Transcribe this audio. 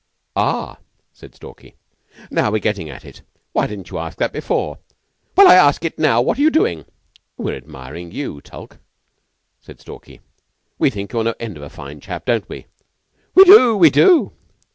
"Ah," said Stalky. "Now we're gettin' at it. Why didn't you ask that before?" "Well, I ask it now. What are you doing?" "We're admiring you, Tulke," said Stalky. "We think you're no end of a fine chap, don't we?" "We do! We do!"